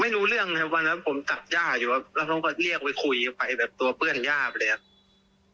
ไม่รู้เรื่องนะวันนั้นผมจัดย่าอยู่แล้วต้องก็เรียกไปคุยไปแบบตัวเพื่อนย่าไปเลยครับ